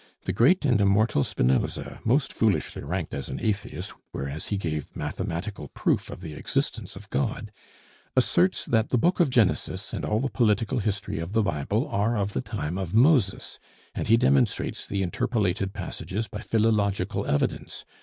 The great and immortal Spinoza most foolishly ranked as an atheist, whereas he gave mathematical proof of the existence of God asserts that the Book of Genesis and all the political history of the Bible are of the time of Moses, and he demonstrates the interpolated passages by philological evidence.